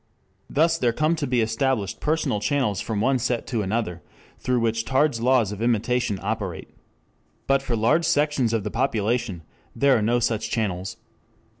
Thus there come to be established personal channels from one set to another, through which Tarde's laws of imitation operate. But for large sections of the population there are no such channels.